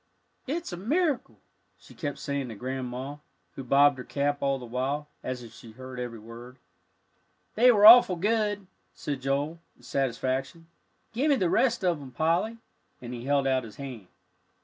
"It's a miracle," she kept saying to Grandma, who bobbed her cap all the while, as if she heard every word. "They were awful good," said Joel, in satisfaction. "Give me the rest of 'em, Polly," and he held out his hand.